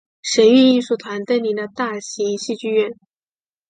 神韵艺术团登临的大型戏剧院。